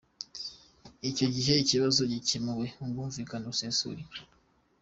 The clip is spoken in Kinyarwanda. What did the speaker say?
Icyo gihe ikibazo cyakemuwe mu bwumvikane busesuye.